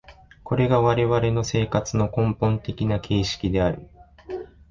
これが我々の生活の根本的な形式である。